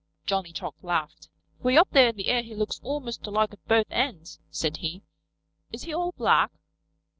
Johnny Chuck laughed. "Way up there in the air he looks almost alike at both ends," said he. "Is he all black?"